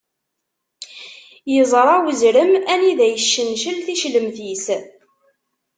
Iẓṛa uzrem anida iccencel ticlemt-is.